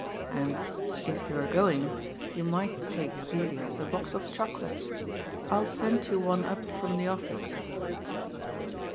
And, if you are going, you might take Elias a box of chocolates. I'll send you one up from the office."